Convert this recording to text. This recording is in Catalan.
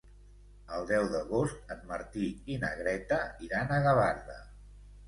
El deu d'agost en Martí i na Greta iran a Gavarda.